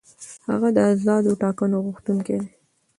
هغه د آزادو ټاکنو غوښتونکی دی.